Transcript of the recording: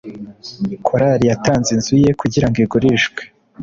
kalori yatanze inzu ye kugira ngo igurishwe